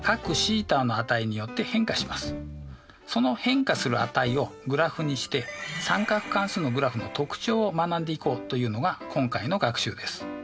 その変化する値をグラフにして三角関数のグラフの特徴を学んでいこうというのが今回の学習です。